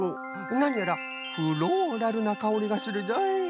なにやらフローラルなかおりがするぞい。